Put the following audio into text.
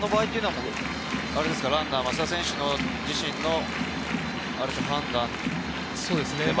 ランナー増田選手自身の判断ですか？